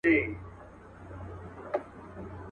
هم یې زامه هم یې پزه ماتومه.